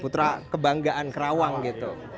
putra kebanggaan karawang gitu